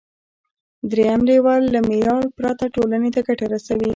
دریم لیول له معیار پرته ټولنې ته ګټه رسوي.